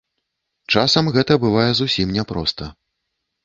Часам гэта бывае зусім няпроста.